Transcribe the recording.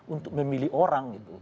untuk memilih orang